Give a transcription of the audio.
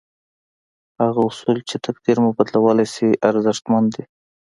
هغه اصول چې تقدير مو بدلولای شي ارزښتمن دي.